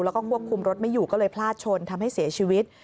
แล้วก็ควบคุมรถไม่อยู่ก็เลยพลาดชนทำให้เสียชีวิต